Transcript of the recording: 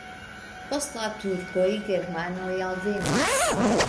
Post la turkoj germanoj alvenis.